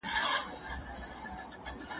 د میاشتې پای د هر چا لپاره بېل مانا لري.